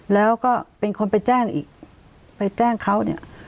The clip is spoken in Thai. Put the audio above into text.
แล้วก็เป็นคนไปแจ้งอีกไปแจ้งเขาเนี่ย